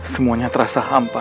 semuanya terasa hampa